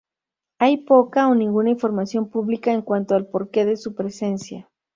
Hay poca o ninguna información pública en cuanto al porque de su presencia.